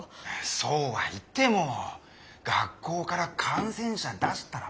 そうは言っても学校から感染者出したらまずいでしょ。